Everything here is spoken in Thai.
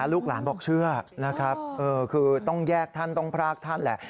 ลูกหลานบอกเชื่อนะครับคือต้องแยกท่านต้องพรากท่านแหละ